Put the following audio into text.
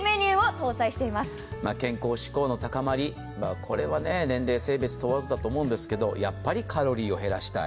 健康志向の高まり、これは年齢、性別問わずだと思いますけど、やっぱりカロリーを減らしたい。